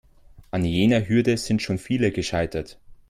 An jener Hürde sind schon viele gescheitert.